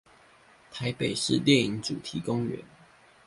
臺北市電影主題公園